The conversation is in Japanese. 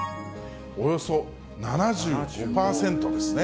およそ７５％ですね。